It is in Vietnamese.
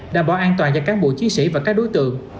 đảm bảo an toàn cho cán bộ chiến sĩ và các đối tượng